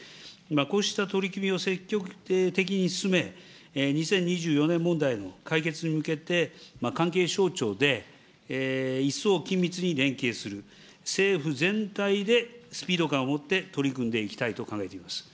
こうした取り組みを積極的に進め、２０２４年問題の解決に向けて、関係省庁で一層緊密に連携する、政府全体でスピード感を持って取り組んでいきたいと考えています。